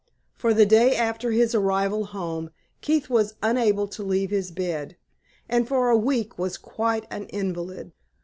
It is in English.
For the day after his arrival home Keith was unable to leave his bed, and for a week was quite an invalid.